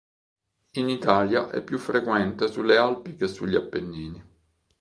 In Italia è più frequente sulle Alpi che sugli Appennini.